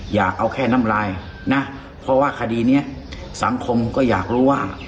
อยากเอาแค่น้ำลายนะเพราะว่าคดีนี้สังคมก็อยากรู้ว่า